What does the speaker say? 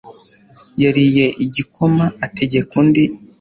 Yariye igikoma ategeka undi.